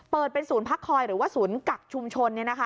เปิดเป็นศูนย์พักคอยหรือว่าศูนย์กักชุมชน